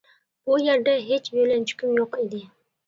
بۇ يەردە ھېچ يۆلەنچۈكۈم يوق ئىدى.